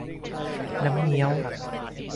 น้ำเงี้ยว